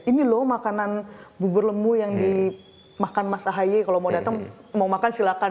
ini loh makanan bubur lemu yang dimakan mas ahaye kalau mau datang mau makan silakan